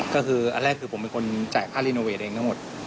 ก็คืออันแรกคือผมเป็นคนจ่ายค่ารีโนเวทเองทั้งหมด